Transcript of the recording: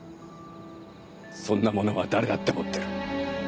そんなものは誰だって持ってる。